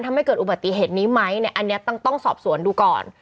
ทำให้เกิดอุบัติเหตุนี้ไหมเนี่ยอันนี้ต้องสอบสวนดูก่อน